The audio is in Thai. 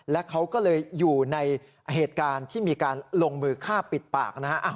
และเขาก็เลยอยู่ในเหตุการณ์ที่มีการลงมือฆ่าปิดปากนะฮะ